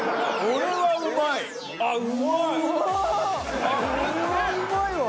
これはうまいわ！